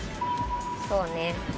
そうね。